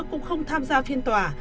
cũng không tham gia phiên tòa